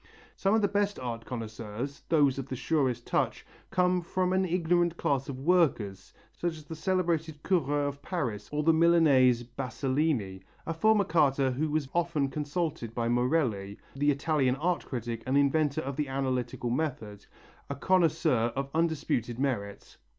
Some of the best art connoisseurs, those of the surest touch, come from an ignorant class of workers, such as the celebrated Couvreur of Paris or the Milanese Basilini, a former carter who was often consulted by Morelli, the Italian art critic and inventor of the analytical method, a connoisseur of undisputed merit.